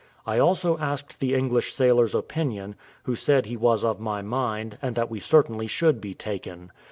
I also asked the English sailor's opinion, who said he was of my mind, and that we certainly should be taken.